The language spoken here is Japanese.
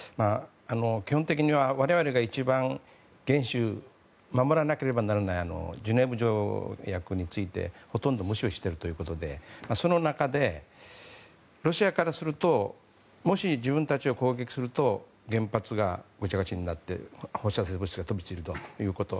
基本的には我々が一番厳守、守らなければいけないジュネーブ条約についてほとんど無視をしているということで、その中でロシアからするともし自分たちを攻撃すると原発がごちゃごちゃになって放射性物質が飛び散るということ。